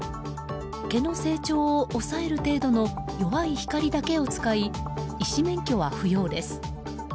毛の成長を抑える程度の弱い光だけを使い医師免許は不要です。